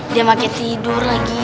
dia makin tidur lagi